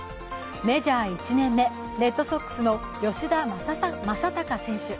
メジャー１年目、レッドソックスの吉田正尚選手。